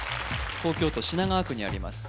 東京都品川区にあります